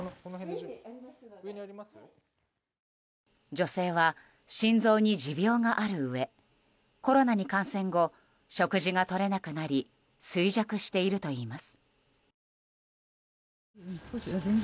女性は心臓に持病があるうえコロナに感染後食事がとれなくなり衰弱しているといいます。